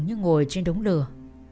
như ngồi trên đống lửa